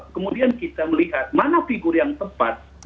kemudian kita melihat mana figur yang tepat